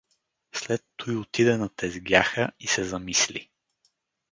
След туй отиде на тезгяха и се замисли.